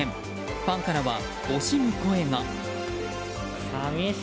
ファンからは惜しむ声が。